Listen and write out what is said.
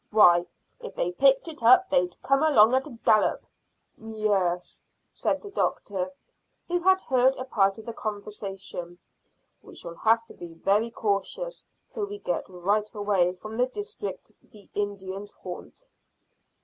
Why, if they picked it up they'd come along at a gallop." "Yes," said the doctor, who had heard a part of the conversation; "we shall have to be very cautious till we get right away from the district the Indians haunt."